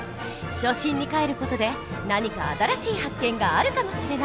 初心にかえる事で何か新しい発見があるかもしれない！